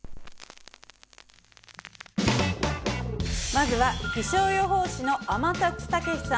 まずは気象予報士の天達武史さん